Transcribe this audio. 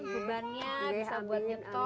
beban nya bisa buat nyetop